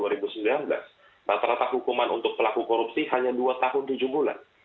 rata rata hukuman untuk pelaku korupsi hanya dua tahun tujuh bulan